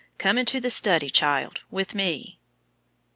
Come into the study, child, with me."